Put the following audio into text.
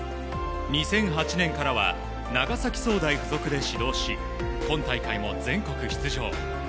２００８年からは長崎総大学附属で指導し今大会も全国出場。